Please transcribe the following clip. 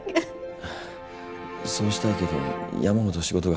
あぁそうしたいけど山ほど仕事が。